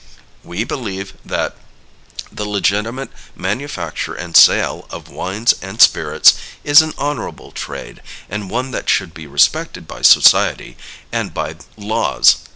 We believe that the legitimate manufacture and sale of wines and spirits is an honorable trade, and one that should be respected by society and by the laws.